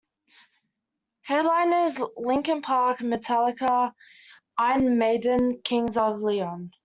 Headliners: Linkin Park, Metallica, Iron Maiden, Kings Of Leon.